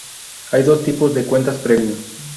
Hay dos tipos de cuentas premium.